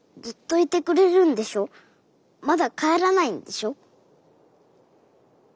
まだ帰らないんでしょ？